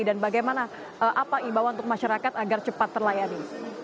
dan bagaimana apa imbauan untuk masyarakat agar cepat terlayani